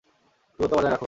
দূরত্ব বজায় রাখ।